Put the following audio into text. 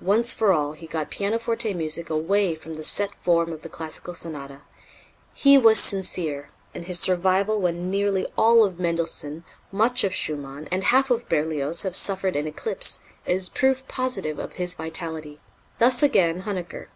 Once for all, he got pianoforte music away from the set form of the classical sonata. "He was sincere, and his survival when nearly all of Mendelssohn, much of Schumann, and half of Berlioz have suffered an eclipse, is proof positive of his vitality." Thus again Huneker.